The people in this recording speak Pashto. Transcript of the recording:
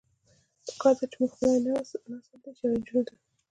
پکار ده چې مونږ خپل نوے نسل دې چيلنجونو ته